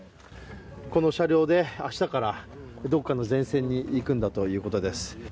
この車両で明日から、どこかの前線に行くんだということです。